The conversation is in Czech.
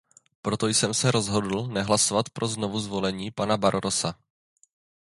Proto jsem se rozhodl nehlasovat pro znovuzvolení pana Barrosa.